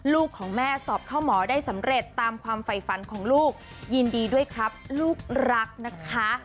ลูกของแม่สอบเข้าหมอได้สำเร็จตามความฝ่ายฝันของลูกยินดีด้วยครับลูกรักนะคะ